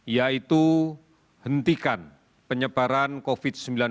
yaitu hentikan penyebaran covid sembilan belas